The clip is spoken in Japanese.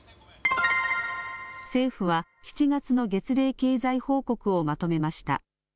政府は７月の月例経済報告をまとめました。